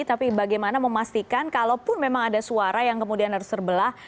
tapi bagaimana memastikan kalaupun memang ada suara yang kemudian harus terbelah